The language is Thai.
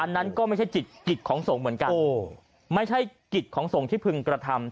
นั่นก็ไม่ใช่จิตกิจของสงฆ์เหมือนกันไม่ใช่กิจของสงฆ์ที่พึงกระทำ